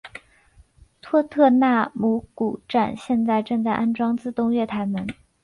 托特纳姆谷站现在正在安装自动月台门。